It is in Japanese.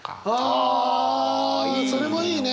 あそれもいいね！